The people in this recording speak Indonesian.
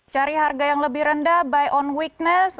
cari harga yang lebih rendah by on weakness